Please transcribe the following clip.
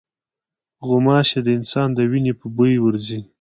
غوماشې د انسان د وینې په بوی ورځي.